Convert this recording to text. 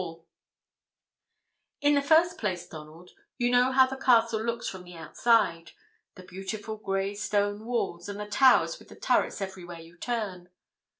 [Illustration: 0059] "In the first place, Donald, you know how the castle looks from the outside the beautiful gray stone walls and the towers with the turrets everywhere you turn."